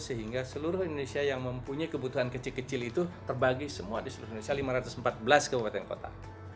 sehingga seluruh indonesia yang mempunyai kebutuhan kecil kecil itu terbagi semua di seluruh indonesia lima ratus empat belas kabupaten kota